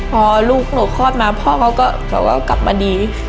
พอลูกหนูคลอดมาพ่อเขาก็บอกว่ากลับมาดี